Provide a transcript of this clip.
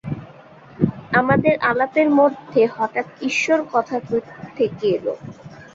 আমাদের আলাপের মধ্যে হঠাৎ ঈশ্বর কোথা থেকে এলো?